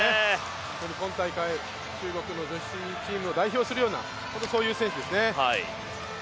本当に今大会、中国の女子チームを代表するような本当にそういう選手ですよね。